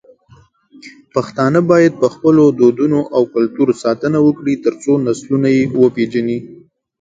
پښتانه بايد په خپلو دودونو او کلتور ساتنه وکړي، ترڅو نسلونه يې وپېژني.